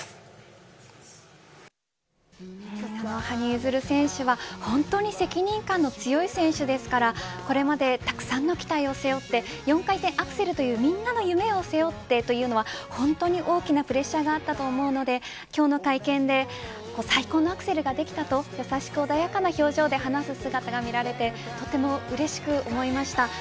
羽生結弦選手は本当に責任感の強い選手ですからこれまでたくさんの期待を背負って４回転アクセルというみんなの夢を背負ってというのは本当に大きなプレッシャーがあったと思うので今日の会見で最高のアクセルが出来たと優しく穏やかな表情で話す姿が見られてとてもうれしく思いました。